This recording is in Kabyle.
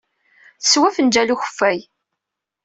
Teswa afenjal n ukeffay.